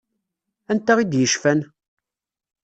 Anta i d-yecfan?